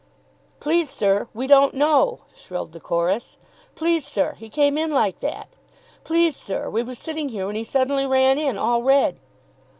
] "Please, sir, we don't know," shrilled the chorus. "Please, sir, he came in like that." "Please, sir, we were sitting here when he suddenly ran in, all red."